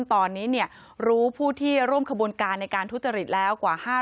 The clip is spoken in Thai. ตอนนี้เนี่ยรู้ผู้ที่ร่วมขบูรณ์การในการทุษฎศรศริษย์แล้วกว่า๕๐๐